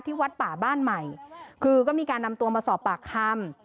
วัดป่าบ้านใหม่คือก็มีการนำตัวมาสอบปากคำ